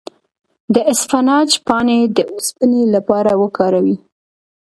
د اسفناج پاڼې د اوسپنې لپاره وکاروئ